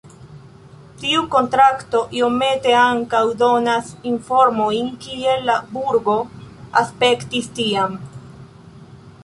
Tiu kontrakto iomete ankaŭ donas informojn kiel la burgo aspektis tiam.